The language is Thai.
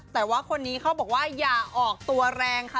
แต่ว่าคนนี้เขาบอกว่าอย่าออกตัวแรงค่ะ